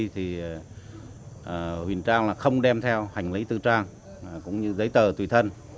thì huỳnh trang là không đem theo hành lý tư trang cũng như giấy tờ tùy thân